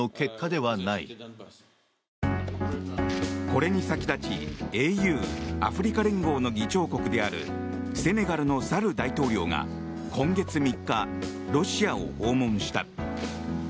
これに先立ちＡＵ・アフリカ連合の議長国であるセネガルのサル大統領が今月３日ロシアを訪問した。